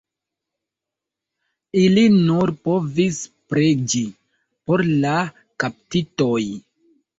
Ili nur povis preĝi por la kaptitoj.